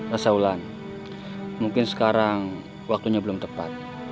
rasa ulan mungkin sekarang waktunya belum tepat